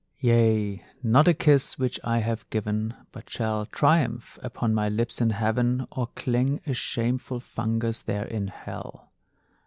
Yea, not a kiss which I have given, But shall triúmph upon my lips in heaven, Or cling a shameful fungus there in hell.